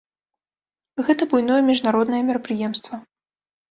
Гэта буйное міжнароднае мерапрыемства.